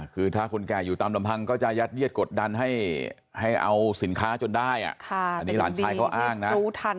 คือถ้าคนแก่อยู่ตามลำพังก็จะยัดเยียดกดดันให้เอาสินค้าจนได้อันนี้หลานชายเขาอ้างนะรู้ทัน